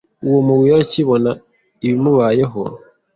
Uwo mugore akibona ibimubayeho